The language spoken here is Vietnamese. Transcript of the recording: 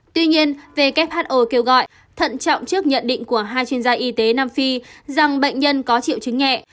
tuy nhiên who kêu gọi thận trọng trước nhận định của hai chuyên gia y tế nam phi rằng bệnh nhân có triệu chứng nhẹ